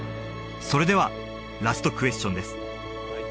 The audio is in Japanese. それではラストクエスチョンです